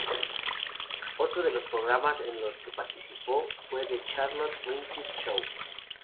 Otro de los programas en los que participó fue "The Charlotte Greenwood Show".